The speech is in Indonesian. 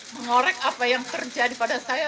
mengorek apa yang terjadi pada saya